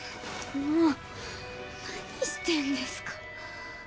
もう何してんですか。